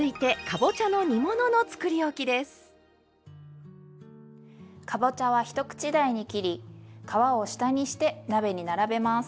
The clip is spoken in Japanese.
かぼちゃは一口大に切り皮を下にして鍋に並べます。